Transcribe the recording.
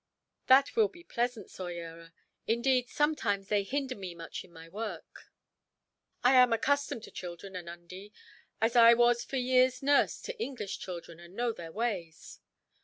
"That will be pleasant, Soyera; indeed, sometimes they hinder me much in my work." "I am accustomed to children, Anundee, as I was for years nurse to English children, and know their ways."